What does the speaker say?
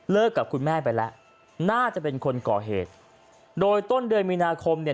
กับคุณแม่ไปแล้วน่าจะเป็นคนก่อเหตุโดยต้นเดือนมีนาคมเนี่ย